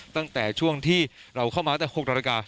ตั้งแต่ช่วงที่เราเข้ามาแต่๖นาที